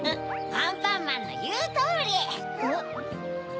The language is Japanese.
・アンパンマンのいうとおり！